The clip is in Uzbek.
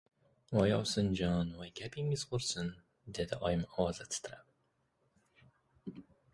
— Voy, ovsinjon, voy gapingiz qursin! — dedi oyim ovozi titrab.